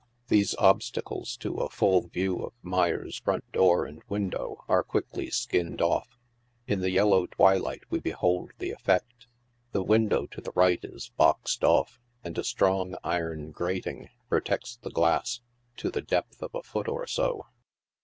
These obstacles to a full view of Meyers' front door and window are quickly skinned off. In the yellow twilight we behold the effect. The window to the right is boxed off, and a strong iron grating protects the glass— to the depth of a foot or so.